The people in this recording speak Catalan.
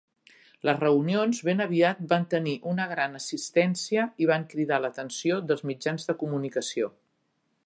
Les reunions ben aviat van tenir una gran assistència i van cridar l'atenció dels mitjans de comunicació.